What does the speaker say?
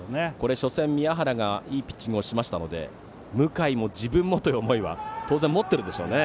初戦、宮原がいいピッチングをしたので向井も自分もという思いは当然、持っているでしょうね。